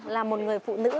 là một người phụ nữ